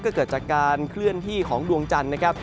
ก็เกิดจากการเคลื่อนที่ของดวงจันทร์นะครับ